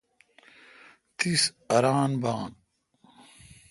تس اران بھان۔